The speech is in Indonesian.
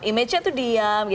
image nya itu diam